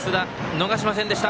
逃しませんでした。